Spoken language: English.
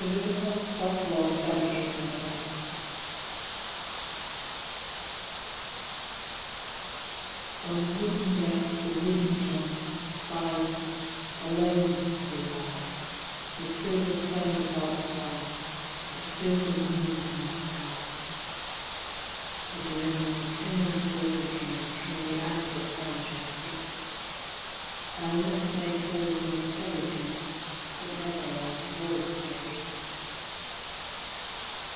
Hira Singh's Farewell to Burmah On the wooden deck of the wooden Junk, silent, alone, we lie, With silver foam about the bow, and a silver moon in the sky: A glimmer of dimmer silver here, from the anklets round your feet, Our lips may close on each other's lips, but never our souls may meet.